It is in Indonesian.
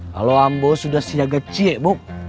kalau ambo sudah siaga ciek bu